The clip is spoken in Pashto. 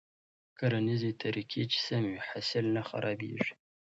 کرنيزې طريقې چې سمې وي، حاصل نه خرابېږي.